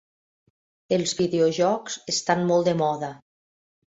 Els videojocs estan molt de moda.